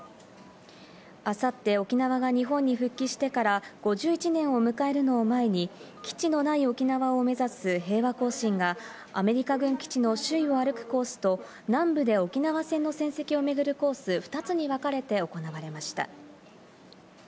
明後日、沖縄が日本に復帰してから５１年を迎えるのを前に、基地のない沖縄を目指す平和行進がアメリカ軍基地の周囲を歩くコースと南部で沖縄戦の戦績を巡るコース、２つにわかれて行われました。